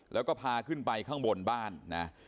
แล้วก็พาขึ้นไปข้างบนบ้านนะ